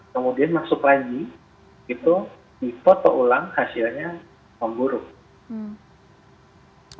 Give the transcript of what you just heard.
kemudian masuk lagi itu dipoto ulang hasilnya memburuk